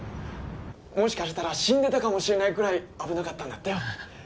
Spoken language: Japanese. もしかしたら死んでたかもしれないくらい危なかったんだってよ。